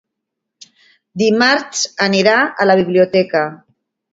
Dimarts anirà a la biblioteca.